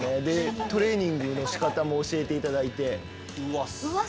トレーニングのしかたも教えていただいて。